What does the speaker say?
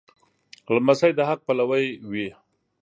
لمسی د حق پلوی وي.